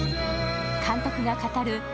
監督が語る